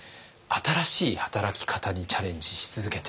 新しい働き方にチャレンジし続けていきます。